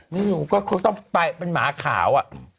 ไม่อยู่ก็ต้องไปเป็นหมาขาว